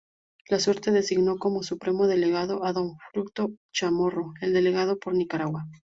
La suerte designó como Supremo Delegado a don Fruto Chamorro, el delegado por Nicaragua.